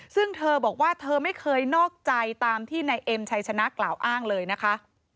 ซึ่งเธอบอกว่าเธอไม่เคยนอกใจตามที่นายเอ็มชัยชนะกล่าวอ้างเลยนะคะ